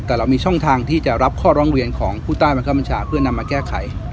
แต่เรามีช่องทางที่จะรับข้อร้องเรียนของผู้ใต้บังคับบัญชาเพื่อนำมาแก้ไข